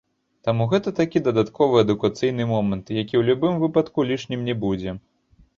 Таму гэта такі дадатковы адукацыйны момант, які ў любым выпадку лішнім не будзе.